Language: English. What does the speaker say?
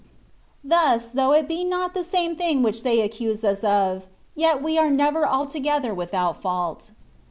^^ Thus, though it be not the same thing which they accuse us of, yet we are never altogether without fault.